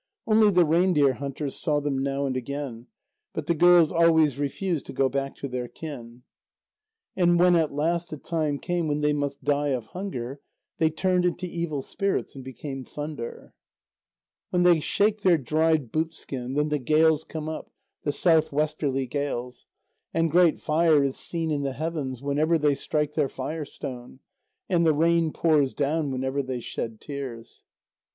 Only the reindeer hunters saw them now and again, but the girls always refused to go back to their kin. And when at last the time came when they must die of hunger, they turned into evil spirits, and became thunder. When they shake their dried boot skin, then the gales come up, the south westerly gales. And great fire is seen in the heavens whenever they strike their fire stone, and the rain pours down whenever they shed tears.